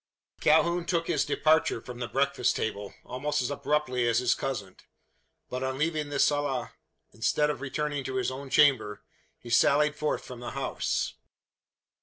Calhoun took his departure from the breakfast table, almost as abruptly as his cousin; but, on leaving the sala instead of returning to his own chamber, he sallied forth from the house.